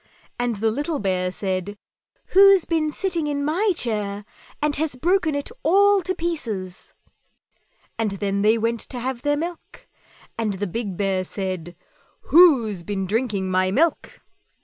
and the little Bear said, "Who's been sitting in my chair and has broken it all to pieces?" And then they went to have their milk, and the big Bear said, "WHO'S BEEN DRINKING MY MILK?"